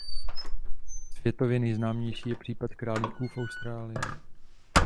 Světově nejznámější je případ králíků v Austrálii.